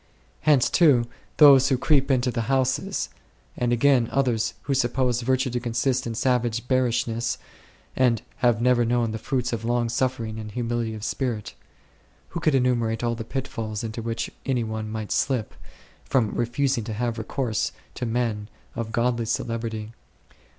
Hence, too, those who " creep into the houses "; and again others who suppose virtue to consist in savage bearishness, and have never known the fruits of long suffer ing and humility of spirit. Who could enumer ate all the pitfalls into which any one might slip, from refusing to have recourse to men of godly celebrity